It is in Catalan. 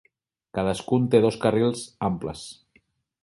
Cadascun té dos carrils amples.